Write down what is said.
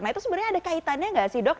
nah itu sebenarnya ada kaitannya nggak sih dok